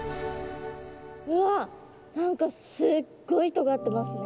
うわ何かすっごいとがってますね。